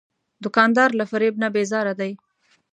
دوکاندار له فریب نه بیزاره دی.